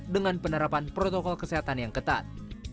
dengan penerapan protokol kesehatan yang ketat